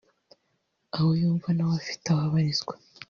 aho yumva nawe afite aho abarizwa